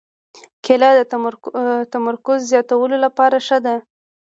کېله د تمرکز زیاتولو لپاره ښه ده.